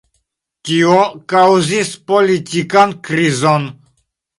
Tio kaŭzis politikan krizon.